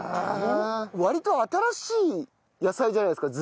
割と新しい野菜じゃないですか？